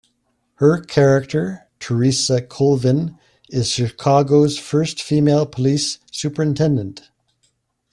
Her character Teresa Colvin is Chicago's first female police superintendent.